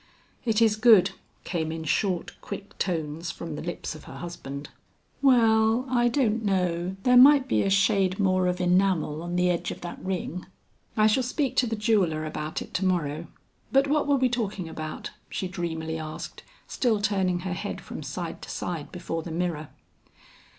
"It is good," came in short, quick tones from the lips of her husband. "Well, I don't know, there might be a shade more of enamel on the edge of that ring. I shall speak to the jeweller about it to morrow. But what were we talking about?" she dreamily asked, still turning her head from side to side before the mirror.